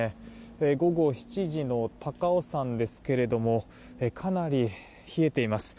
午後７時の高尾山ですけどもかなり冷えています。